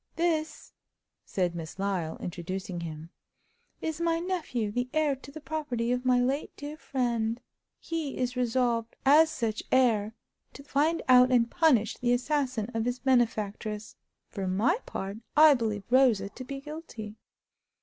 "This," said Miss Lyle, introducing him, "is my nephew, the heir to the property of my late dear friend. He is resolved, as such heir, to find out and punish the assassin of his benefactress. For my part, I believe Rosa to be guilty."